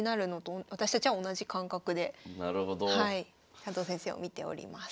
加藤先生を見ております。